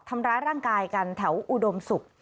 ทำร้ายร่างกายกันแถวอุดมศุกร์